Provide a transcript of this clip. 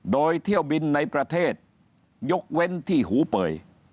โดยเที่ยวบินในประเทศยกเว้นที่หูเป่ย